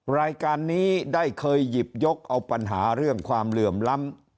รายการนี้ได้เคยหยิบยกเอาปัญหาเรื่องความเหลื่อมล้ำ